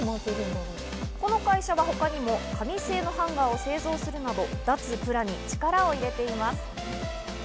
この会社は他にも紙製のハンガーを製造するなど、脱プラに力を入れています。